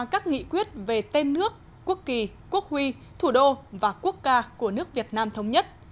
các nghị quyết về tên nước quốc kỳ quốc huy thủ đô và quốc ca của nước việt nam thống nhất